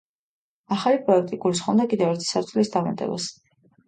ახალი პროექტი გულისხმობდა კიდევ ერთი სართულის დამატებას.